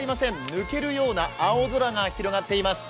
抜けるような青空が広がっています。